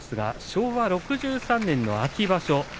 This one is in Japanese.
昭和６３年の秋場所。